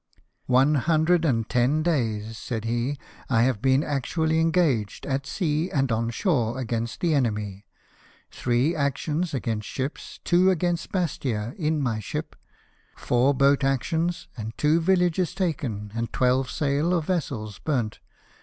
" One hundred and ten days," said he, " I have been actually engaged, at sea and on shore, against the enemy ; three actions against ships, two against Bastia in my ship, four boat actions, and two villages taken, and twelve sail of vessels burnt.